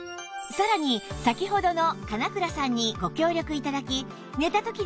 さらに先ほどの神永倉さんにご協力頂き